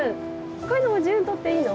こういうのも自由にとっていいの？